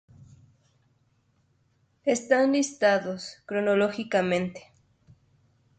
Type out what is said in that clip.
Están listados cronológicamente.